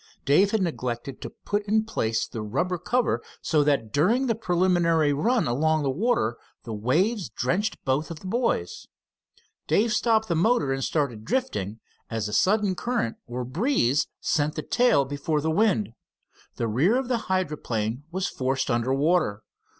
Dave had neglected to put in place the rubber cover, so that during the preliminary run along the water the waves drenched both of the boys. Dave stopped the motor and started drifting, at a sudden current or breeze sent the tail before the wind. The rear of the hydroplane was forced under water.